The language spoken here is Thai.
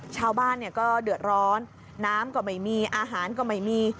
ชาวบ้านก็เดือดร้อนน้ำก็ไม่มีอาหารก็ไม่มี